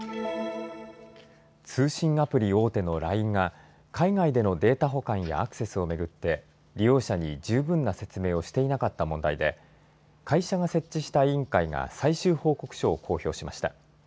通信アプリ大手のＬＩＮＥが海外でのデータ保管やアクセスを巡って利用者に十分な説明をしていなかった問題で会社を設置した委員会が最終報告書を公表しました。